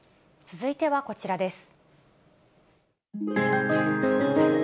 続いてはこちらです。